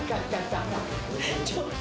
ちょっと。